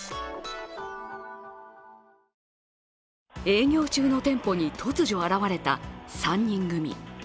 営業中の店舗に突如現れた３人組。